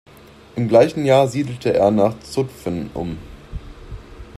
Im gleichen Jahr siedelte er nach Zutphen um.